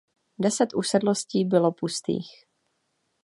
Deset usedlostí bylo pustých.